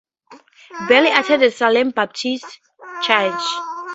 Beale attends Salem Baptist Church.